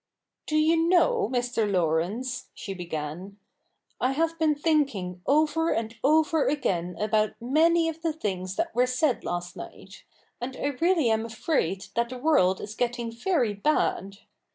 ' Do you know, Mr. Laurence,' she began, ' I have been thinking over and over again about many of the things that were said last night ; and I really am afraid that the world is getting very bad.